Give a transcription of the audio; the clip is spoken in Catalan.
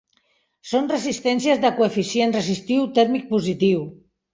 Són resistències de coeficient resistiu tèrmic positiu.